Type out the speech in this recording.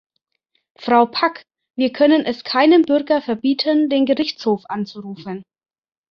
Frau Pack, wir können es keinem Bürger verbieten, den Gerichtshof anzurufen.